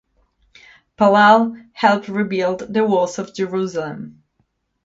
Palal helped rebuild the walls of Jerusalem.